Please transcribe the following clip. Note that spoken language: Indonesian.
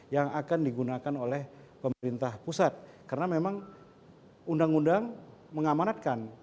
yang akan digunakan oleh pemerintah pusat karena memang undang undang mengamanatkan